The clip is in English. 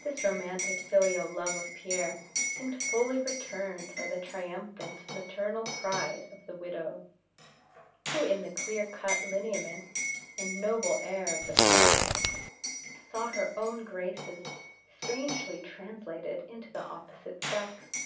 This romantic filial love of Pierre seemed fully returned by the triumphant maternal pride of the widow, who in the clear cut lineaments and noble air of the son, saw her own graces strangely translated into the opposite sex.